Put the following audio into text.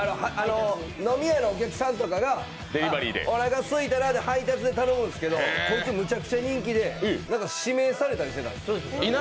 飲み屋のお客さんとかがおなかすいたなって配達を頼むんですけどこいつめちゃくちゃ人気でなんか指名されたりしてたんです。